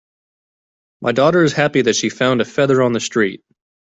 My daughter is happy that she found a feather on the street.